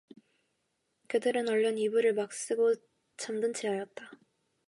그들은 얼른 이불을 막 쓰고 잠든 체하였다.